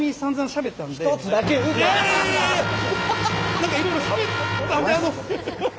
何かいろいろしゃべったんであの。